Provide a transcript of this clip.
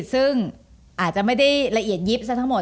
ซึ่งอาจจะไม่ได้ละเอียดยิบซะทั้งหมด